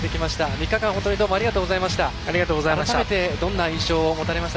３日間、本当にどうもありがとうございました。